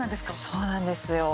そうなんですよ。